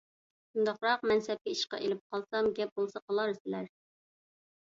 شۇنداقراق مەنسەپكە ئىشقا ئېلىپ قالسام گەپ بولسا قىلارسىلەر.